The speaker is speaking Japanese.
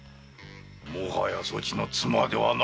もはやそちの妻ではなかろうに。